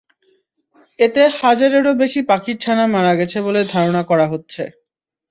এতে হাজারেরও বেশি পাখির ছানা মারা গেছে বলে ধারণা করা হচ্ছে।